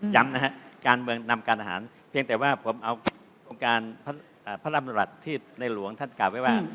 ย้ำนะฮะการเมืองนำการอาหารเพียงแต่ว่าผมเอาองค์การพระรำรัฐที่ในหลวงท่านกล่าวไว้ว่า